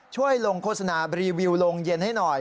ช่วยลงโฆษณารีวิวโรงเย็นให้หน่อย